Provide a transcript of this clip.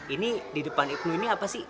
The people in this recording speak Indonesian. ini di depan ibnu ini apa sih